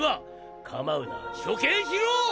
「構うな処刑しろ」